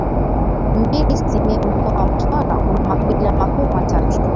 Mbili Simiyu Mkoa wa Mtwara una makabila makuu matatu